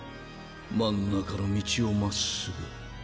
真ん中の道をまっすぐ。